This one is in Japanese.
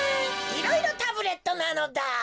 いろいろタブレットなのだ。